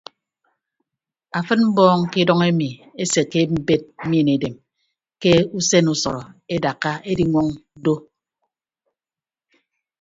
Afịd mbọọñ kidʌñ emi esekke embed mien edem ke usen usọrọ edakka ediñwọñ doo.